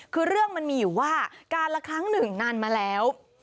คือเรื่องมันมีอยู่ว่าการละครั้งหนึ่งนานมาแล้ว